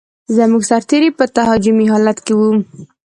زموږ سرتېري په تهاجمي حالت کې و.